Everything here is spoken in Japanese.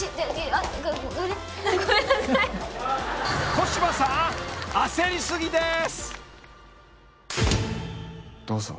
［小芝さん焦り過ぎです］